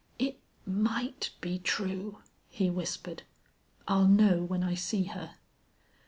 "It might be true!" he whispered. "I'll know when I see her."